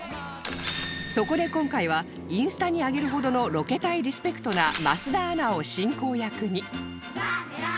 そこで今回はインスタに上げるほどのロケ隊リスペクトな桝田アナを進行役に